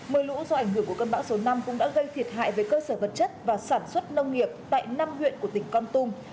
mưa lũ do ảnh hưởng của cơn bão số năm cũng đã gây thiệt hại về cơ sở vật chất và sản xuất nông nghiệp tại năm huyện của tỉnh con tum